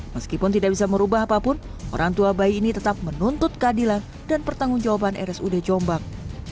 meskipun tidak bisa merubah apapun orang tua bayi ini tetap menuntut keadilan dan pertanggung jawaban rsud jombang